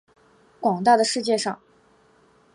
广大的世界上